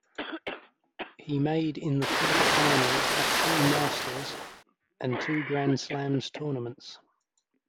He made in the quarter-finals at two Masters and two Grand Slams tournaments.